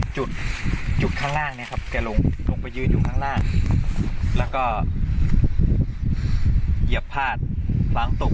จุดจุดข้างล่างเนี่ยครับแกลงลงไปยืนอยู่ข้างล่างแล้วก็เหยียบพาดล้างตก